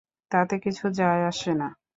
তাতে কিছু যায় আসে না।